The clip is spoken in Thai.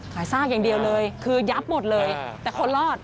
ซากอย่างเดียวเลยคือยับหมดเลยแต่คนรอด